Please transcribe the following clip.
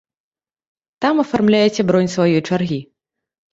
Там афармляеце бронь сваёй чаргі.